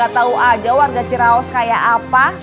dokter kayak gatau aja warga ciraos kayak apa